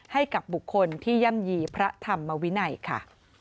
ให้กับบุคคลที่ย่ำยี่พระธรรมวินัยค่ะ